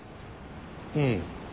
うん。